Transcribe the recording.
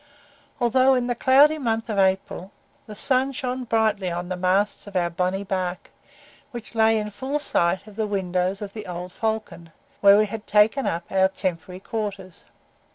Although in the cloudy month of April, the sun shone brightly on the masts of our bonny bark, which lay in full sight of the windows of the "Old Falcon," where we had taken up our temporary quarters.